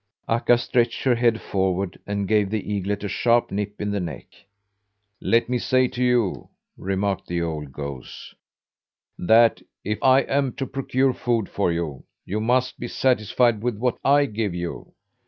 Akka stretched her head forward, and gave the eaglet a sharp nip in the neck. "Let me say to you," remarked the old goose, "that if I'm to procure food for you, you must be satisfied with what I give you.